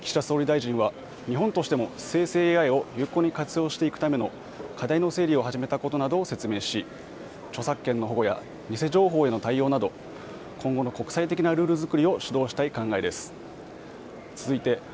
岸田総理大臣は日本としても生成ＡＩを有効に活用していくための課題の整理を始めたことなどを説明し著作権の保護や偽情報への対応など今後の国際的なルールづくりを主導したい考えです。